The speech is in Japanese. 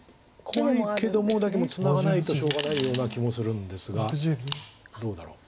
怖いけどもだけどもツナがないとしょうがないような気もするんですがどうだろう。